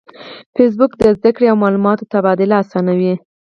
فېسبوک د زده کړې او معلوماتو تبادله آسانوي